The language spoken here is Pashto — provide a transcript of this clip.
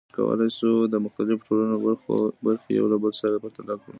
موږ کولای سو د مختلفو ټولنو برخې یو له بل سره پرتله کړو.